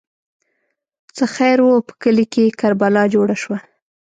ـ څه خیر وو، په کلي کې کربلا جوړه شوه.